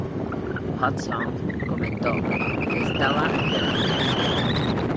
Hodgson comentó: "Estaba alterado.